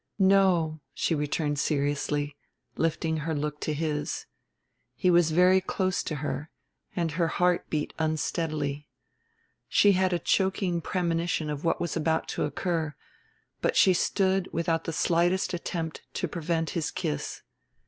"No," she returned seriously, lifting her look to his. He was very close to her and her heart beat unsteadily. She had a choking premonition of what was about to occur, but she stood without the slightest attempt to prevent his kiss.